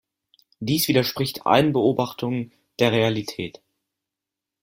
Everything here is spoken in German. Dies widerspricht allen Beobachtungen der Realität.